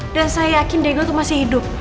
dan saya yakin dago itu masih hidup